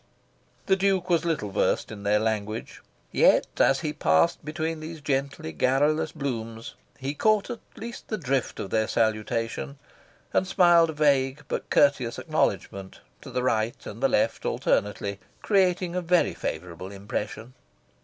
The Duke was little versed in their language; yet, as he passed between these gently garrulous blooms, he caught at least the drift of their salutation, and smiled a vague but courteous acknowledgment, to the right and the left alternately, creating a very favourable impression.